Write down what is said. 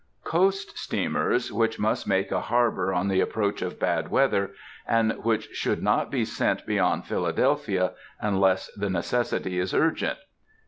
_Coast Steamers, which must make a harbor on the approach of bad weather, and which should not be sent beyond Philadelphia, unless the necessity is urgent.